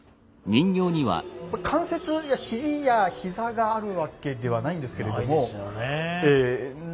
関節や肘や膝があるわけではないんですけれども。